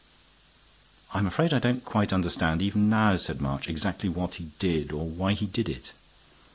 "I'm afraid I don't quite understand even now," said March, "exactly what he did or why he did it."